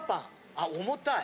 あっ重たい。